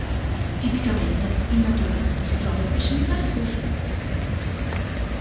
Tipicamente, in natura, si trova in prossimità di corsi d'acqua.